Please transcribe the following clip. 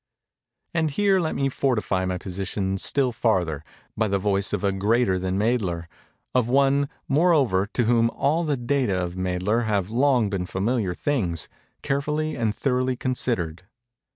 And here let me fortify my position still farther, by the voice of a greater than Mädler—of one, moreover, to whom all the data of Mädler have long been familiar things, carefully and thoroughly considered.